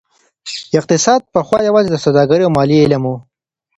اقتصاد پخوا يوازي د سوداګرۍ او ماليې علم و.